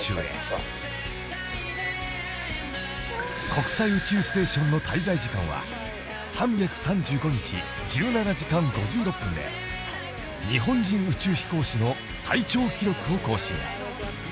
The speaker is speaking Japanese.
［国際宇宙ステーションの滞在時間は３３５日１７時間５６分で日本人宇宙飛行士の最長記録を更新］